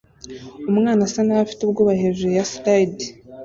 Umwana asa naho afite ubwoba hejuru ya slide